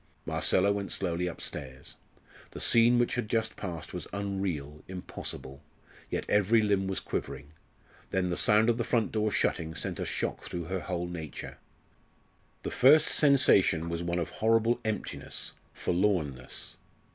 Marcella went slowly upstairs. The scene which had just passed was unreal, impossible; yet every limb was quivering. Then the sound of the front door shutting sent a shock through her whole nature. The first sensation was one of horrible emptiness, forlornness.